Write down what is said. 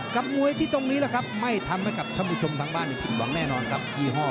กับมวยที่ตรงนี้นะครับไม่ทำให้กับท่านผู้ชมทั้งบ้านผิดหวังแน่นอนครับ